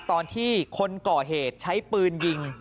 ตอนที่คนก่อเหตุใช้ปืนยิง